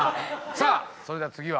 さあそれでは次は？